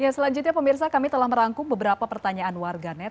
selanjutnya pemirsa kami telah merangkum beberapa pertanyaan warganet